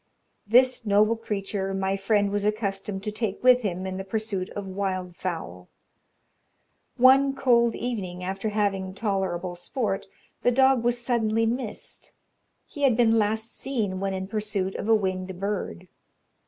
This noble creature my friend was accustomed to take with him in the pursuit of wild fowl. One cold evening, after having tolerable sport, the dog was suddenly missed; he had been last seen when in pursuit of a winged bird.